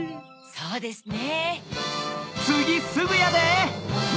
そうですね。